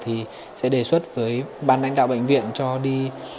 thì sẽ đề xuất với ban đánh đạo bệnh viện cho đi